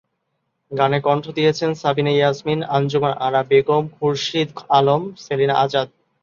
গানে কণ্ঠ দিয়েছেন সাবিনা ইয়াসমিন, আঞ্জুমান আরা বেগম, খুরশিদ আলম, সেলিনা আজাদ।